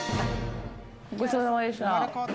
ごちそうさまでした。